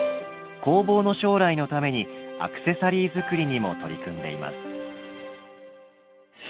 工房の将来のためにアクセサリー作りにも取り組んでいます。